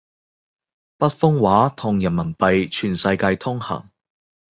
北方話同人民幣全世界通行